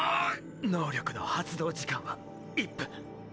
能力の発動時間は１分。